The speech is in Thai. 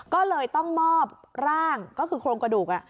ก็เลยต้องมอบร่างก็คือโครงกระดูก